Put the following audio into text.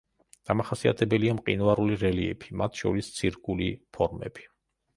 დამახასიათებელია მყინვარული რელიეფი, მათ შორის ცირკული ფორმები.